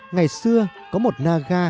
ngày xưa có một naga rất muốn đi tu theo đức phật